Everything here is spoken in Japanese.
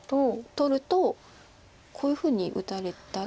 取るとこういうふうに打たれたら。